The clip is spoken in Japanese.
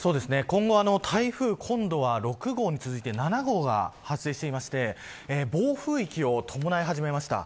今後は、台風６号に続いて７号が発生していて暴風域を伴い始めました。